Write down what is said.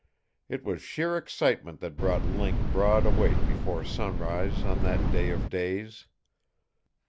It was sheer excitement that brought Link broad awake before sunrise on that day of days.